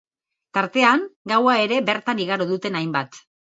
Tartean, gaua ere bertan igaro duten hainbat.